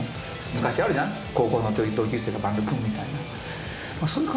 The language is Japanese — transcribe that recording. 昔あるじゃん、高校の同級生とバンド組むみたいな。